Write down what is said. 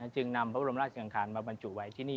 จึงนำพระบรมราชอังคารมาบรรจุไว้ที่นี่